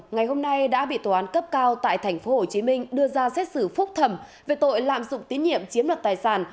ngày hôm nay đã bị tòa án cấp cao tại tp hcm đưa ra xét xử phúc thẩm về tội lạm dụng tín nhiệm chiếm đoạt tài sản